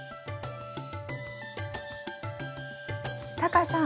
タカさん